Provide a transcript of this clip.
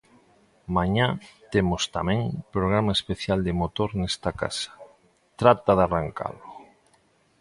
Mañá temos tamén programa especial de motor nesta casa: 'Trata de arrancalo'.